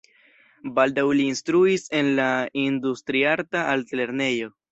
Baldaŭ li instruis en la Industriarta Altlernejo.